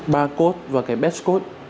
barcode và cái badge code